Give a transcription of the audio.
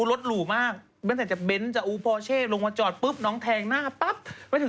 รถหลู่มากพร้อมไปจอดโป๊บน้องแทงหน้าปลื้อป๊าบ